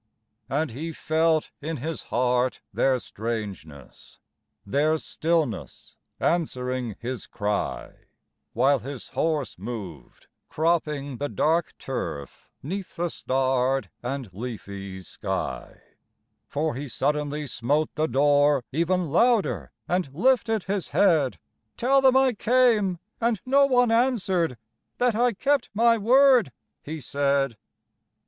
And he felt in his heart their strangeness, Their stillness answering his cry, While his horse moved, cropping the dark turf, 'Neath the starred and leafy sky; For he suddenly smote the door, even Louder, and lifted his head: "Tell them I came, and no one answered, That I kept my word," he said.